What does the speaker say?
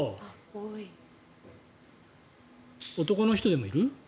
男の人でもいる？